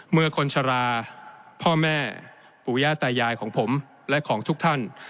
เมื่อคนชราพ่อแม่ปู่ย่าตายายของผมและของทุกท่าน